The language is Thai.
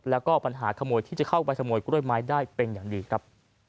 แล้วก็ปัญหาขโมยที่จะเข้าไปขโมยกล้วยไม้ได้เป็นอย่างดีครับ